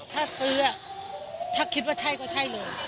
ถ้าซื้อถ้าคิดว่าใช่ก็ใช่เลย